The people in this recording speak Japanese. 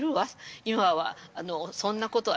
今はそんなことは。